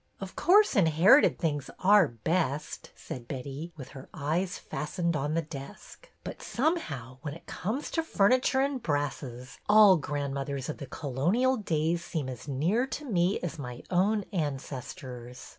Of course inherited things are best," said Betty, with her eyes fastened on the desk, but somehow, when it comes to furniture and brasses, all grandmothers of the colonial days seem as near to me as my own ancestors.